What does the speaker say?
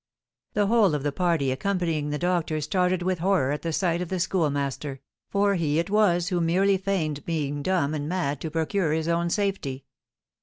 The whole of the party accompanying the doctor started with horror at the sight of the Schoolmaster, for he it was, who merely feigned being dumb and mad to procure his own safety.